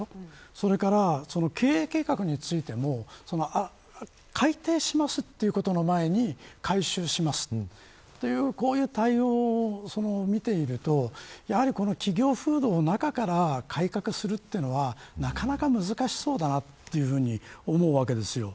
それから経営計画についても改定しますということの前に回収しますというこういう対応を見ているとやはり企業風土の中から改革するというのは、なかなか難しそうだなというふうに思うわけです。